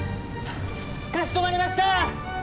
かしこまりました！